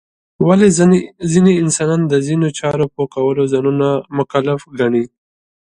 ولې ځینې انسانان د ځینو چارو په کولو ځانونه مکلف ګڼي؟